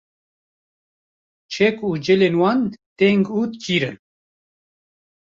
Çek û cilên wan teng û çîr in